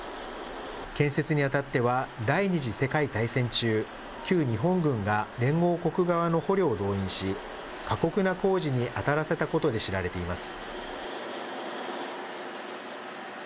建設にあたっては第２次世界大戦中、旧日本軍が連合国側の捕虜を動員し、過酷な工事に当たらせたことで知られています。